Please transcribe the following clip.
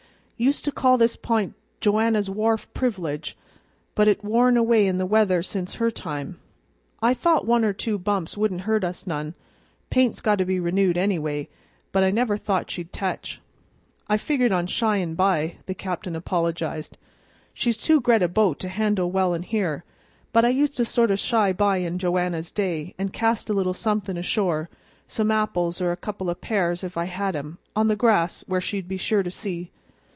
"Used to call this p'int Joanna's wharf privilege, but 't has worn away in the weather since her time. I thought one or two bumps wouldn't hurt us none, paint's got to be renewed, anyway, but I never thought she'd tetch. I figured on shyin' by," the captain apologized. "She's too gre't a boat to handle well in here; but I used to sort of shy by in Joanna's day, an' cast a little somethin' ashore some apples or a couple o' pears if I had 'em on the grass, where she'd be sure to see."